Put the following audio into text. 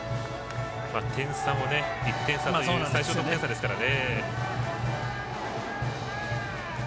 点差も１点差という最小得点差ですからね。